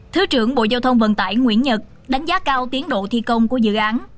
thứ trưởng bộ giao thông vận tải nguyễn nhật đánh giá cao tiến độ thi công của dự án